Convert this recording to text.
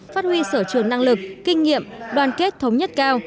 phát huy sở trường năng lực kinh nghiệm đoàn kết thống nhất cao